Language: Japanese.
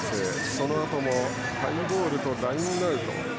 そのあともハイボールとラインアウト